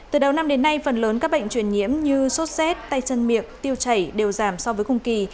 từ đầu năm đến nay phần lớn các bệnh truyền nhiễm như sốt xét tay chân miệng tiêu chảy đều giảm so với cùng kỳ